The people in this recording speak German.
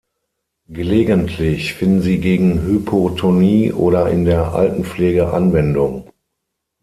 Gelegentlich finden sie gegen Hypotonie oder in der Altenpflege Anwendung.